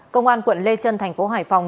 công an quận lê trân thành phố hải phòng